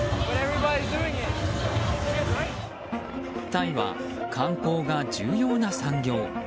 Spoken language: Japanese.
タイは観光が重要な産業。